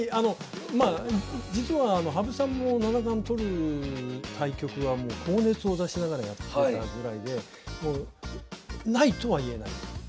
まあ実は羽生さんも七冠取る対局は高熱を出しながらやってたぐらいでもうないとはいえない。